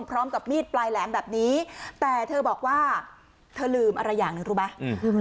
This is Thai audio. พร้อมกับมีดปลายแหลมแบบนี้แต่เธอบอกว่าเธอลืมอะไรอย่างหนึ่งรู้ไหม